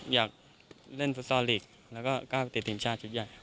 อยากเล่นฟุตซอลลีกแล้วก็ก้าวไปติดทีมชาติชุดใหญ่